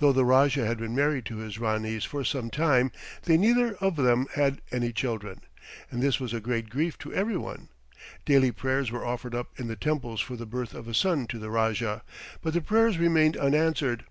Though the Rajah had been married to his Ranees for some time they neither of them had any children, and this was a great grief to every one. Daily prayers were offered up in the temples for the birth of a son to the Rajah, but the prayers remained unanswered.